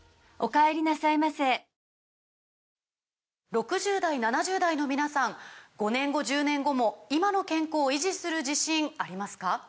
６０代７０代の皆さん５年後１０年後も今の健康維持する自信ありますか？